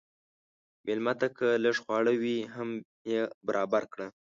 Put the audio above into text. مېلمه ته که لږ خواړه وي، هم یې برابر کړه.